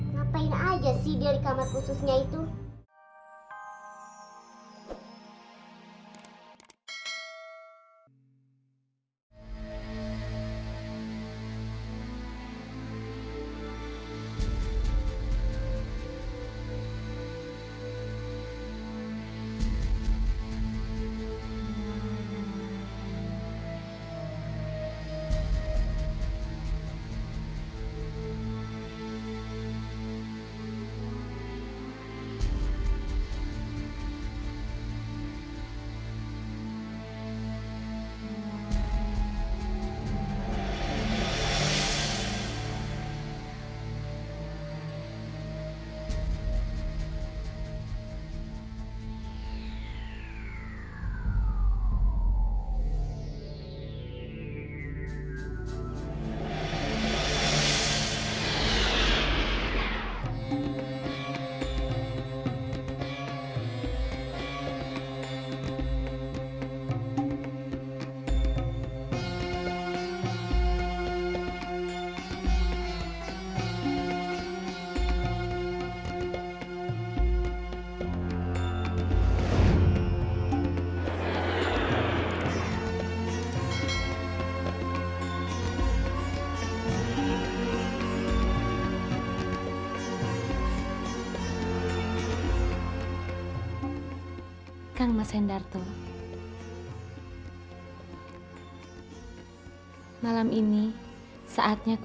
ngapain aja sih dia di kamar khususnya itu